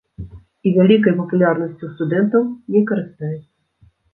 І вялікай папулярнасцю ў студэнтаў не карыстаецца.